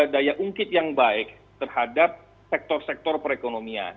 daya ungkit yang baik terhadap sektor sektor perekonomian